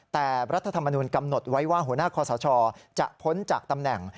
แต่รัฐธรรมนุนกำหนดไว้ว่าหัวหน้าคอสชจะพ้นจากตำแหน่ง